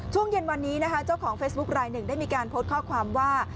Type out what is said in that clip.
ช่วงเย็นวันนี้นะคะเจ้าของเฟซบุ๊คลายหนึ่งได้มีการโพสต์ข้อความว่า